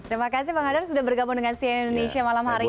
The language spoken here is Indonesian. terima kasih bang hadar sudah bergabung dengan cn indonesia malam hari ini